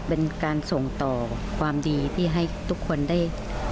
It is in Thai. เป็นการส่งต่อความดีที่ให้ทุกคนได้